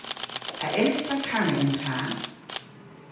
A yllydh ta kana yn ta?